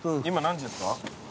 今何時ですか？